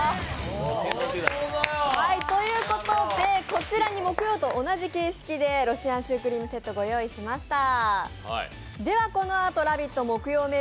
こちらに木曜と同じ形式でロシアンシュークリームセットご用意しました。